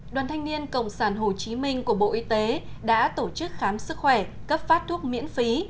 đoàn thanh niên cộng sản hồ chí minh của bộ y tế đã tổ chức khám sức khỏe cấp phát thuốc miễn phí